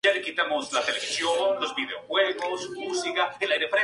La primera canción que fue lanzada fue "Good 'N' Ready".